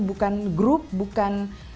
bukan grup bukan